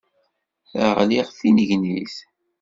Ɣliɣ d tinnegnit.